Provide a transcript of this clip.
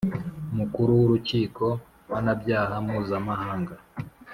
mukuru w'urukiko mpanabyaha mpuzamahanga